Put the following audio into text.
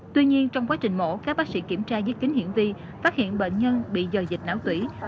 tuy nhiên trong quá trình mổ các bác sĩ kiểm tra dưới kính hiển vi phát hiện bệnh nhân bị dò dịch não tủy